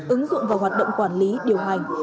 ứng dụng và hoạt động quản lý điều hành